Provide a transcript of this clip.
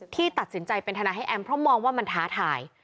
ที่ตัดสินใจเป็นทนายให้แอมเพราะมองว่ามันท้าทาย